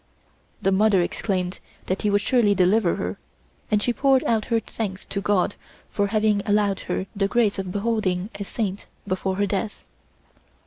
The mother exclaimed that he would surely deliver her, and she poured out her thanks to God for having allowed her the grace of beholding a saint before her death.